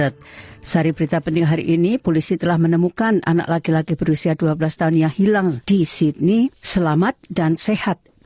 terima kasih hari ini polisi telah menemukan anak laki laki berusia dua belas tahun yang hilang di sydney selamat dan sehat